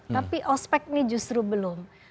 tapi ospek ini justru belum